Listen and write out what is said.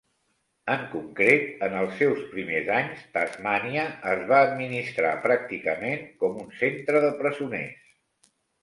En concret, en els seus primers anys, Tasmània es va administrar pràcticament com un centre de presoners.